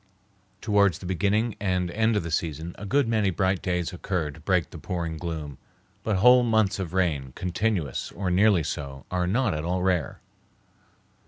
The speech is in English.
Towards the beginning and end of the season a good many bright days occur to break the pouring gloom, but whole months of rain, continuous, or nearly so, are not at all rare.